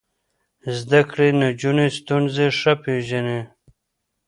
زده کړې نجونې ستونزې ښه پېژني.